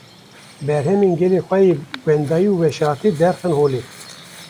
berhemên gelê xwe yê wendayî û veşartî derxin holê.